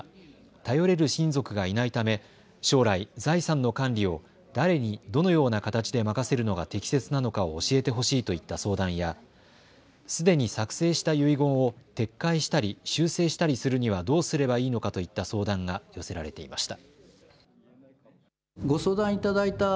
頼れる親族がいないため将来、財産の管理を誰にどのような形で任せるのが適切なのかを教えてほしいといった相談やすでに作成した遺言を撤回したり修正したりするにはどうすればいいのかといった相談が寄せられていました。